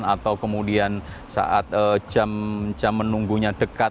atau kemudian saat jam menunggunya dekat